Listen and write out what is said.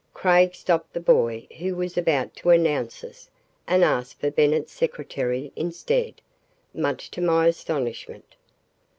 Craig stopped the boy who was about to announce us and asked for Bennett's secretary instead, much to my astonishment.